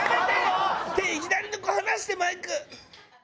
手左の子放してマイク！